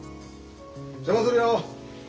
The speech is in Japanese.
・邪魔するよ。